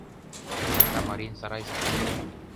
Сарда марийын сарайжым